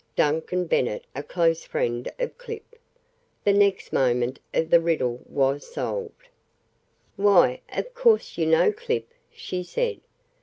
Duncan Bennet a close friend of Clip! The next moment the riddle was solved. "Why, of course you know Clip," she said.